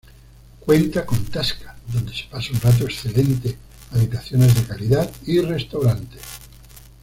Cuenta con Tasca, donde se pasa un rato excelente, habitaciones de calidad, y Restaurant.